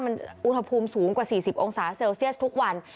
มันอุณหภูมิสูงกว่า๔๐องศาเซลเซียสทุกวัน